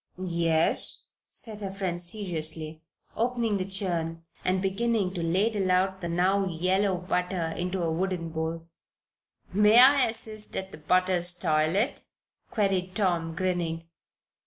"Yes," said her friend, seriously, opening the churn and beginning to ladle out the now yellow butter into a wooden bowl. "May I assist at the butter's toilet?" queried Tom, grinning.